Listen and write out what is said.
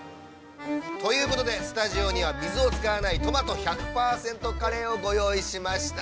◆ということで、スタジオには「水を使わないトマト１００％カレー」をご用意しました。